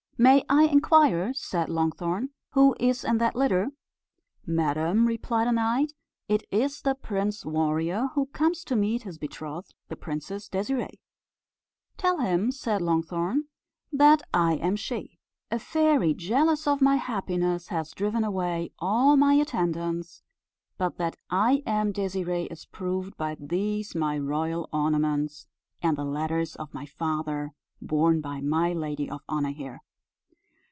"May I inquire," said Longthorn, "who is in that litter?" "Madam," replied a knight, "it is the Prince Warrior, who comes to meet his betrothed, the Princess Désirée." "Tell him," said Longthorn, "that I am she. A fairy, jealous of my happiness, has driven away all my attendants, but that I am Désirée is proved by these my royal ornaments, and the letters of my father, borne by my lady of honour here."